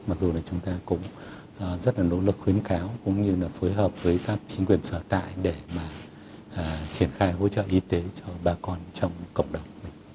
mặc dù là chúng ta cũng rất là nỗ lực khuyến cáo cũng như là phối hợp với các chính quyền sở tại để mà triển khai hỗ trợ y tế cho bà con trong cộng đồng